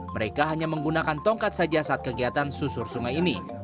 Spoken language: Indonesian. mereka hanya menggunakan tongkat saja saat kegiatan susur sungai ini